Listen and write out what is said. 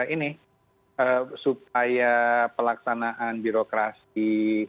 ini supaya pelaksanaan birokrasi